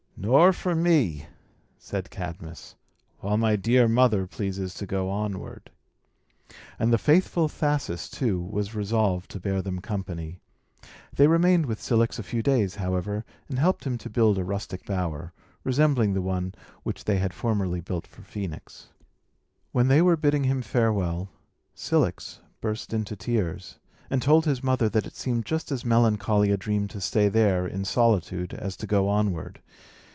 "Nor for me," said Cadmus, "while my dear mother pleases to go onward." And the faithful Thasus, too, was resolved to bear them company. They remained with Cilix a few days, however, and helped him to build a rustic bower, resembling the one which they had formerly built for Phœnix. When they were bidding him farewell, Cilix burst into tears, and told his mother that it seemed just as melancholy a dream to stay there, in solitude, as to go onward.